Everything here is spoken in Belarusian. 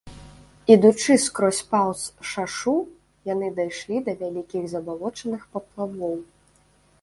Ідучы скрозь паўз шашу, яны дайшлі да вялікіх забалочаных паплавоў.